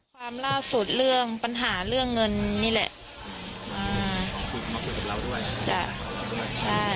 ความล่าสุดเรื่องปัญหาเรื่องเงินนี่แหละอ่าคุยมาคุยกับเราด้วยจ้ะเราด้วยใช่